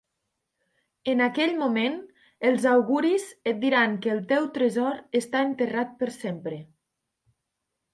En aquell moment, els auguris et diran que el teu tresor està enterrat per sempre.